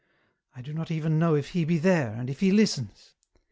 I do not even know if He be there, and if He listens.